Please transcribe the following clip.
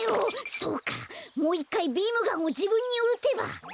そうかもういっかいビームガンをじぶんにうてば。